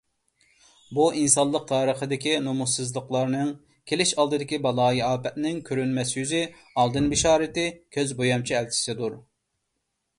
بۇ ئىنسانلىق تارىخىدىكى نۇمۇسسىزلىقلارنىڭ، كېلىش ئالدىدىكى بالايىئاپەتنىڭ كۆرۈنمەس يۈزى، ئالدىن بېشارىتى، كۆز بويامچى ئەلچىسىدۇر.